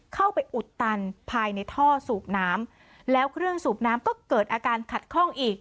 อุดตันภายในท่อสูบน้ำแล้วเครื่องสูบน้ำก็เกิดอาการขัดคล่องอีก